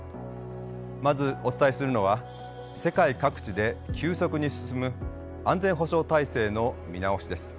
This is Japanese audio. まずお伝えするのは世界各地で急速に進む安全保障体制の見直しです。